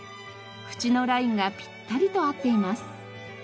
縁のラインがピッタリと合っています。